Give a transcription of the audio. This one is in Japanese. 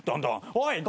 おい！